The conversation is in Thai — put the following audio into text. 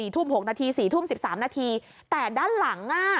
ทุ่ม๖นาที๔ทุ่ม๑๓นาทีแต่ด้านหลัง